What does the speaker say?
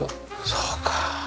そうか。